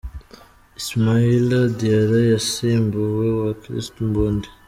Ismaila Diarra yasimbuwe wa Christ Mbondy.